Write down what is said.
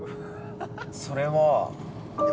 ◆それは。